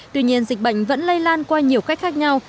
tuy nhiên dịch bệnh vẫn lây lan qua nhiều cách khác nhau